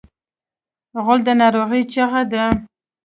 غول د ناروغۍ چیغه ده.